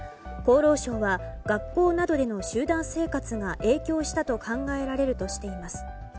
厚労省は学校などでの集団生活が影響したと考えられるとしています。